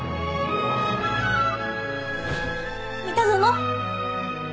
三田園！